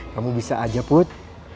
kamu bisa aja put